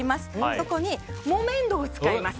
そこに木綿豆腐を使います。